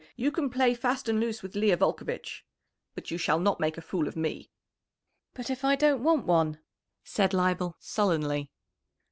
You can play fast and loose with Leah Volcovitch. But you shall not make a fool of me." "But if I don't want one?" said Leibel sullenly.